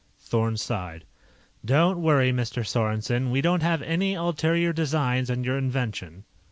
Thorn sighed. "Don't worry, Mr. Sorensen. We don't have any ulterior designs on your invention."